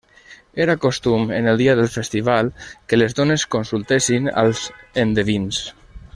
Era costum en el dia del festival que les dones consultessin als endevins.